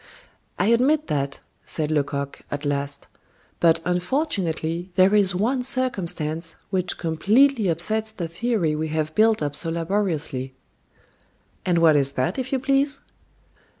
"I admit that," said Lecoq, at last; "but unfortunately, there is one circumstance which completely upsets the theory we have built up so laboriously." "And what is that if you please?"